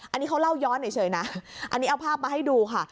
อันนี้เขาเล่าย้อนเฉยนะอันนี้เอาภาพมาให้ดูค่ะ